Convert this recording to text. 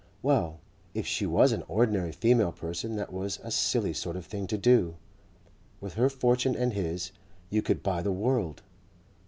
Well, if she was an ordinary female person that was a silly sort of thing to do. With her fortune and his you could buy the world.